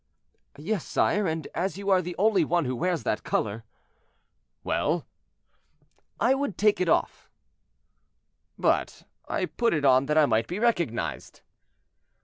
"Yes, sire, and as you are the only one who wears that color—" "Well!" "I would take it off." "But I put it on that I might be recognized."